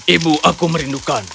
ibu aku merindukanmu